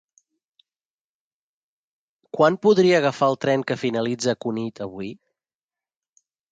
Quan podria agafar el tren que finalitza a Cunit avui?